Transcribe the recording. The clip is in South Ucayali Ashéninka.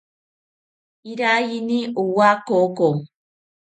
Iraiyini owa koko